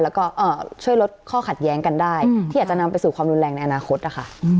แล้วก็ช่วยลดข้อขัดแย้งกันได้ที่อาจจะนำไปสู่ความรุนแรงในอนาคตนะคะ